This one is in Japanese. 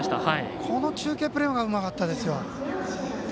この中継プレーうまかったですよ。